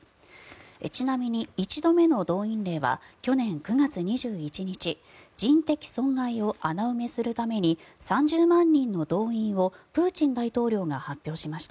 ちなみに１度目の動員令は去年９月２１日人的損害を穴埋めするために３０万人の動員をプーチン大統領が発表しました。